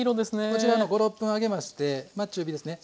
こちらの５６分揚げましてまあ中火ですね